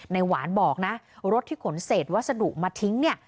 หวานบอกนะรถที่ขนเศษวัสดุมาทิ้งเนี่ย